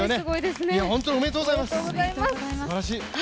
本当におめでとうございます、すばらしい。